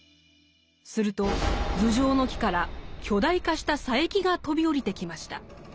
すると頭上の木から巨大化した佐柄木が飛び降りてきました。